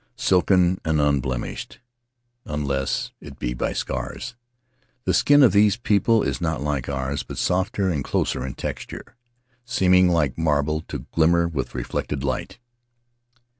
Silken and unblemished — unless it be by scars — the skin of these people is not like ours, but softer and closer in texture; seeming, like marble, to glimmer with reflected light.